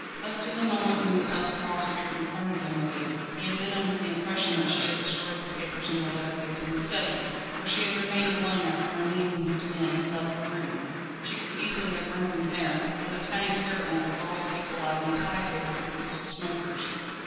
Up to the moment when the Public Prosecutor confronted him with it, he had been under the impression that she had destroyed the papers and the letter case in the study, where she had remained alone after Merlin and his men had left the room. She could easily have burnt them there, as a tiny spirit lamp was always kept alight on a side table for the use of smokers.